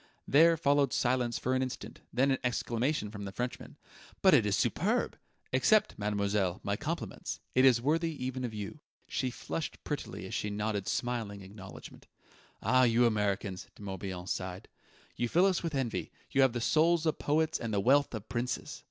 There followed silence for an instant, then an exclamation from the Frenchman: "But it is superb! Accept, mademoiselle, my compliments. It is worthy even of you." She flushed prettily as she nodded smiling acknowledgement. "Ah, you Americans!" De Morbihan sighed. "You fill us with envy: you have the souls of poets and the wealth of princes!"